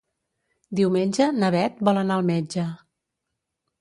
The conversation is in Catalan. Diumenge na Beth vol anar al metge.